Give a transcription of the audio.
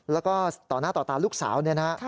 แล้วก็ต่อหน้าต่อตาลูกสาว